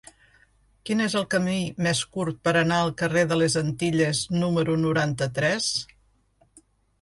Quin és el camí més curt per anar al carrer de les Antilles número noranta-tres?